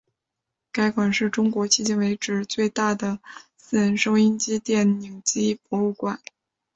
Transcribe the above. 该馆是是中国迄今最大的私人收音机电影机博物馆。